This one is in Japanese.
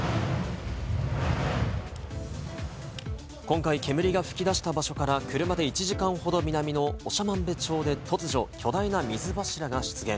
今回、煙が噴き出した場所から車で１時間ほど南の長万部町で突如巨大な水柱が出現。